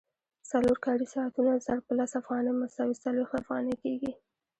څلور کاري ساعتونه ضرب په لس افغانۍ مساوي څلوېښت افغانۍ کېږي